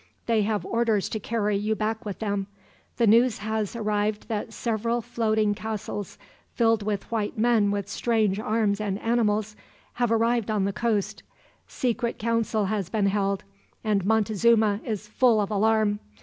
They have orders to carry you back with them. The news has arrived that several floating castles, filled with white men with strange arms and animals, have arrived on the coast. Secret council has been held, and Montezuma is full of alarm.